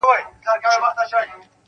چي په سختو بدو ورځو د بلا مخ ته دریږي-